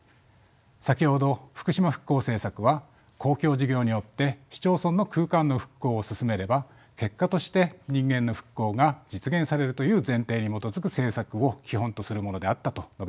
先ほど福島復興政策は公共事業によって市町村の空間の復興を進めれば結果として人間の復興が実現されるという前提に基づく政策を基本とするものであったと述べました。